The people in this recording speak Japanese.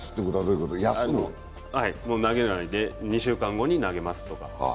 もう投げないで、２週間後に投げますとか。